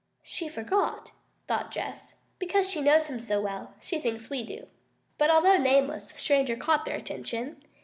"She forgot," thought Jess. "Because she knows him so well, she thinks we do." But although nameless, the stranger caught their attention.